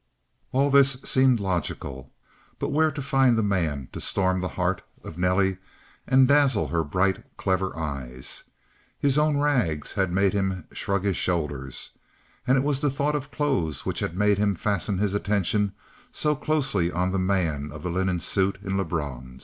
All this seemed logical, but where find the man to storm the heart of Nelly and dazzle her bright, clever eyes? His own rags had made him shrug his shoulders; and it was the thought of clothes which had made him fasten his attention so closely on the man of the linen suit in Lebrun's.